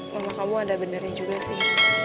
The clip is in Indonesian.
kalau kamu ada beneran juga sih